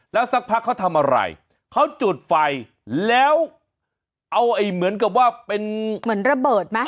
แล้วสักพักเขาทำอะไรเขาจุดไฟแล้วเอาไอ้เหมือนกับว่าเป็นเหมือนระเบิดไหม